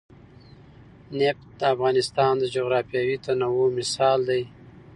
نفت د افغانستان د جغرافیوي تنوع مثال دی.